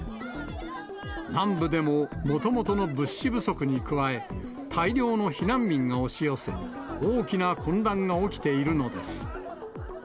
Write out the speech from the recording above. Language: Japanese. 南部でももともとの物資不足に加え、大量の避難民が押し寄せ、大きな混乱が起きているのです。